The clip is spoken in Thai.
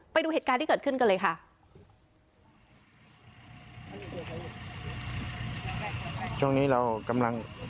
ไปดูเหตุการณ์ที่เกิดขึ้นกันเลยค่ะ